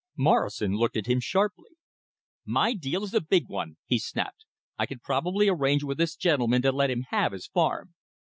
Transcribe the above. Morrison looked at him sharply. "My deal is a big one," he snapped. "I can probably arrange with this gentleman to let him have his farm."